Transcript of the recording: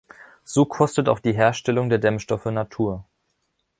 So kostet auch die Herstellung der Dämmstoffe Natur.